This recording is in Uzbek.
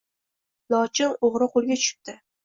Lochin o‘g‘ri qo‘lga tushibdi.